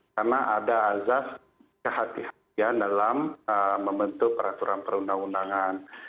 karena ada azas kehatian dalam membentuk peraturan perundang undangan